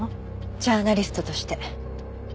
ジャーナリストとして。